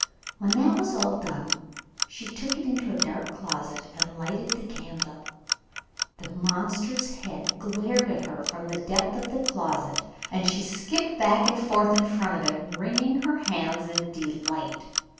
When that was all done she took it into a dark closet and lighted the candle. The monster's head glared at her from the depth of the closet, and she skipped back and forth in front of it, wringing her hands in delight.